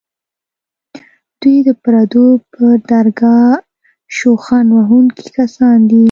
دوی د پردو پر درګاه شخوند وهونکي کسان دي.